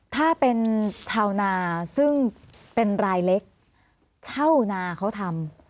ถ้าเป็นชาวนาซึ่งเป็นรายเล็กชาวนาเขาทำ